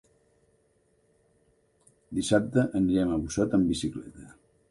Dissabte anirem a Busot amb bicicleta.